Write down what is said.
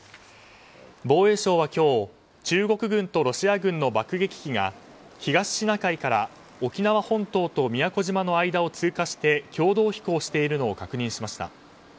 防衛省は今日、中国軍とロシア軍の爆撃機が東シナ海から沖縄本島と宮古島の間を通過して、共同飛行しているのを確認しました。